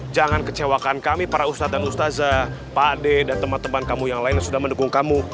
jangan kecewakan kami para ustadz dan ustazah pak ade dan teman teman kamu yang lain yang sudah mendukung kamu